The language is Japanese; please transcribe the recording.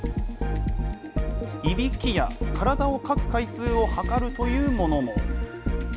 いびきや体をかく回数を測るというものも。